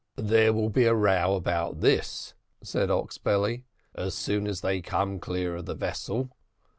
"There will be a row about this," said Oxbelly, "as soon as they come clear of the vessel.